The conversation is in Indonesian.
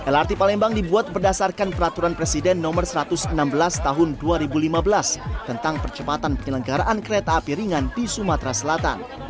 lrt palembang dibuat berdasarkan peraturan presiden no satu ratus enam belas tahun dua ribu lima belas tentang percepatan penyelenggaraan kereta api ringan di sumatera selatan